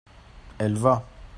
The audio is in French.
elle va.